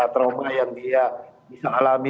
trauma yang dia bisa alami